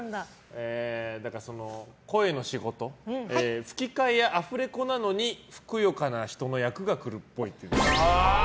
声の仕事吹き替えやアフレコなのにふくよかな人の役が来るっぽい。